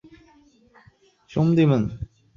平远县大部分居民讲客家话。